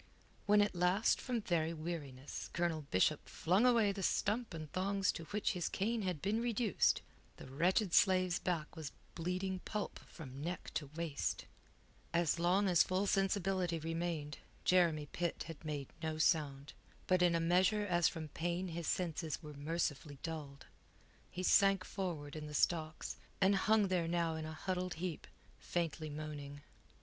When, at last, from very weariness, Colonel Bishop flung away the stump and thongs to which his cane had been reduced, the wretched slave's back was bleeding pulp from neck to waist. As long as full sensibility remained, Jeremy Pitt had made no sound. But in a measure as from pain his senses were mercifully dulled, he sank forward in the stocks, and hung there now in a huddled heap, faintly moaning.